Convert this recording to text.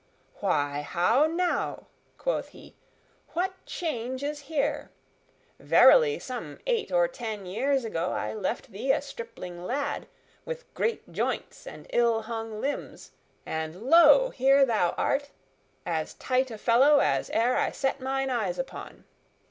"Why, how now," quoth he, "what change is here? Verily, some eight or ten years ago I left thee a stripling lad, with great joints and ill hung limbs, and lo! here thou art, as tight a fellow as e'er I set mine eyes upon.